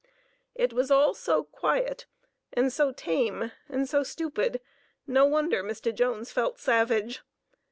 It was all so quiet, and so tame and so stupid, no wonder Mistah Jones felt savage.